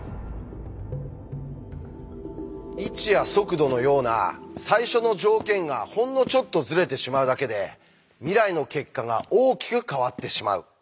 位置や速度のような最初の条件がほんのちょっとズレてしまうだけで未来の結果が大きく変わってしまう。